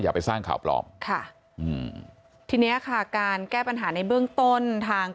ไปสร้างข่าวปลอมค่ะอืมทีเนี้ยค่ะการแก้ปัญหาในเบื้องต้นทาง